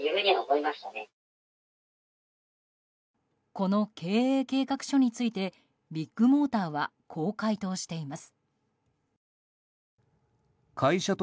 この経営計画書についてビッグモーターはこう回答しています。